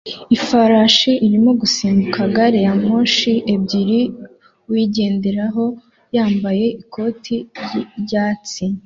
Ifarashi irimo gusimbuka gari ya moshi ebyiri uyigenderaho yambaye ikoti ryatsi